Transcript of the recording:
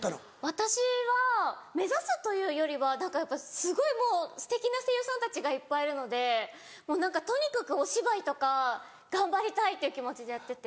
私は目指すというよりはすごいすてきな声優さんたちがいっぱいいるのでとにかくお芝居とか頑張りたいっていう気持ちでやってて。